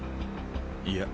いや。